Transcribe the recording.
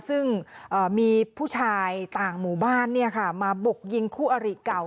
ซึ่งมีผู้ชายต่างหมู่บ้านมาบุกยิงคู่อริเก่า